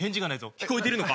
聞こえてるのか？